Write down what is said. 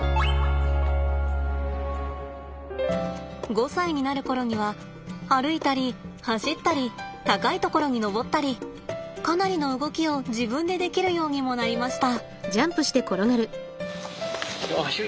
５歳になる頃には歩いたり走ったり高いところに登ったりかなりの動きを自分でできるようにもなりました。